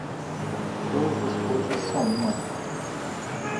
Todas as coisas são uma.